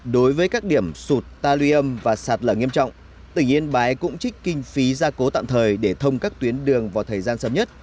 đối với các điểm sụt tali âm và sạt lở nghiêm trọng tỉnh yên bái cũng trích kinh phí gia cố tạm thời để thông các tuyến đường vào thời gian sớm nhất